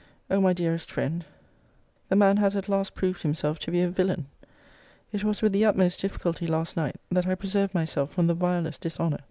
O my dearest friend, the man has at last proved himself to be a villain! It was with the utmost difficulty last night, that I preserved myself from the vilest dishonour.